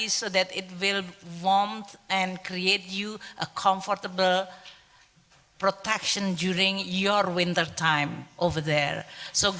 agar akan membuat anda berkembang dan membuat anda berkembang dan membuat anda berkembang dan membuat anda berkembang